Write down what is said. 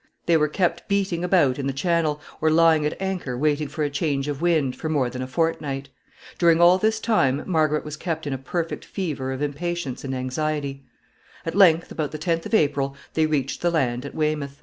They were kept beating about in the Channel, or lying at anchor waiting for a change of wind, for more than a fortnight. During all this time Margaret was kept in a perfect fever of impatience and anxiety. At length, about the 10th of April, they reached the land at Weymouth.